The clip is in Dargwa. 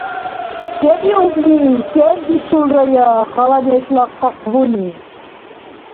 – Се биубли? Сен дисулрая, хала нешла къакъбуни?